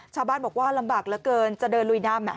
ชาวบ้านบอกว่าลำบากเหลือเกินจะเดินลุยน้ำ